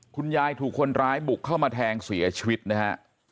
คุณยายถูกคนร้ายบุกเข้ามาแทงเสียชีวิตนะฮะ